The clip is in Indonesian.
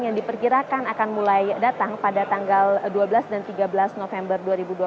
yang diperkirakan akan mulai datang pada tanggal dua belas dan tiga belas november dua ribu dua puluh